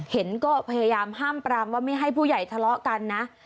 เห็นก็พยายามห้ามปรามว่าไม่ให้ผู้ใหญ่ทะเลาะกันนะ